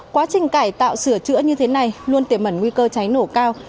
quá trình cải tạo sửa chữa như thế này luôn tiềm mẩn nguy cơ cháy nổ cao